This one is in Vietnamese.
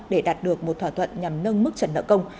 để đạt được một thỏa thuận nhằm nâng mức trần nợ công